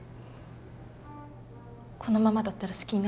このままだったら好きになるかもしれない。